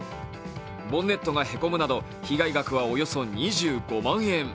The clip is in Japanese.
ボンネットがへこむなど被害額はおよそ２５万円。